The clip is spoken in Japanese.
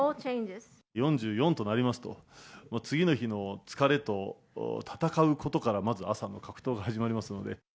４４となりますと、次の日の疲れと闘うことから、まず朝の格闘が始まりますので。